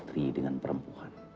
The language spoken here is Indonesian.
antara istri dengan perempuan